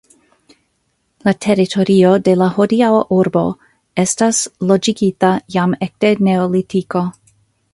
La teritorio de la hodiaŭa urbo estas loĝigita jam ekde neolitiko.